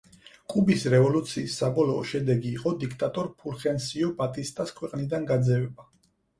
კუბის რევოლუციის საბოლოო შედეგი იყო დიქტატორ ფულხენსიო ბატისტას ქვეყნიდან გაძევება.